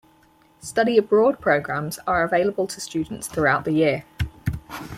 Study abroad programs are available to students throughout the year.